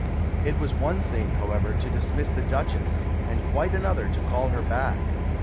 It was one thing, however, to dismiss the Duchesse, and quite another to call her back.